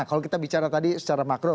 kalau kita bicara tadi secara makro